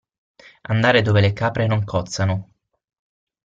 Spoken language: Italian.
Andare dove le capre non cozzano.